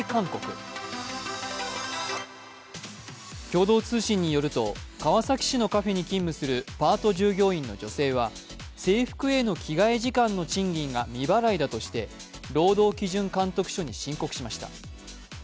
共同通信によると川崎市のカフェに勤務するパート従業員の女性は、制服への着替え時間の賃金が未払いだとして労働基準監督署に申告しました。